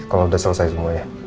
kalau udah selesai semuanya